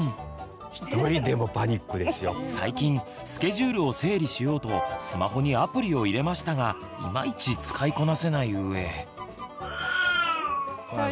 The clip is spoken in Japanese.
最近スケジュールを整理しようとスマホにアプリを入れましたがいまいち使いこなせない上。